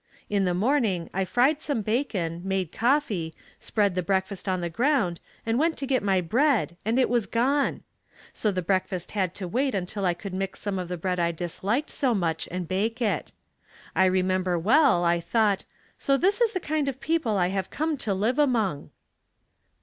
In the morning I fried some bacon, made coffee, spread the breakfast on the ground and went to get my bread and it was gone. So the breakfast had to wait until I could mix some of the bread I disliked so much and bake it. I remember well I thought "So this is the kind of people I have come to live among."